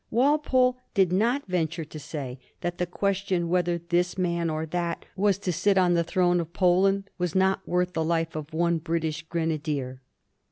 Walpole did not venture to say that the question whether this man or that was to sit on the throne of Poland was not worth the life of one British grenadier.